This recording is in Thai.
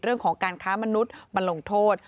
เรื่องของการค้ามนุษย์มาลงโทษ